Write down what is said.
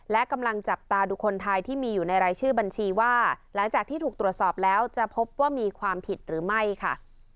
และกำลังจับตาดูคนไทยที่มีอยู่ในรายชื่อบัญชีว่าหลังจากที่ถูกตรวจสอบแล้วจะพบว่ามีความผิดหรือไม่ค่ะ